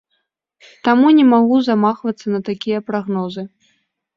Таму не магу замахвацца на такія прагнозы.